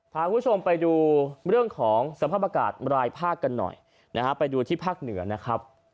พาคุณผู้ชมไปดูเรื่องของสภาพอากาศรายภาคกันหน่อยนะฮะไปดูที่ภาคเหนือนะครับ